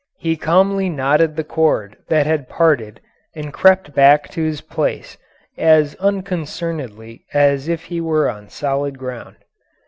He calmly knotted the cord that had parted and crept back to his place, as unconcernedly as if he were on solid ground.